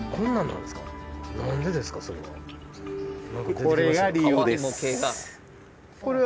これが理由です。